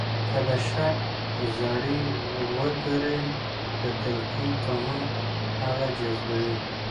که د شک زړي وکرئ د تلقین قانون هغه جذبوي